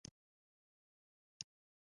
جګړه ویر جوړوي